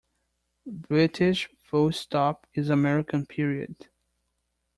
British full stop is American period.